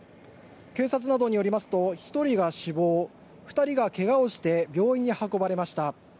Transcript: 警察などによりますと１人が死亡２人がけがをして病院に運ばれました。